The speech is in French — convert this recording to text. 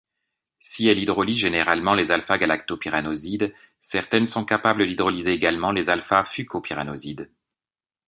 Si elle hydrolyse généralement les α-galactopyranosides, certaines sont capables d'hydrolyser également les α--fucopyranosides.